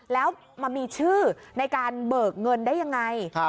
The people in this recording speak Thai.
แล้วมันมีชื่อในการเบิกเงินได้ยังไง